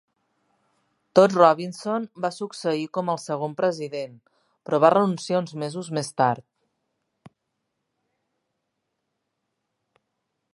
Todd Robinson va succeir com el segon president, però va renunciar uns mesos més tard.